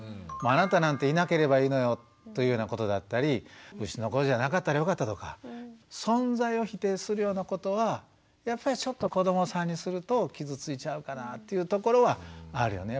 あなたなんていなければいいのよというようなことだったりうちの子じゃなかったらよかったとか存在を否定するようなことはやっぱりちょっと子どもさんにすると傷ついちゃうかなというところはあるよね。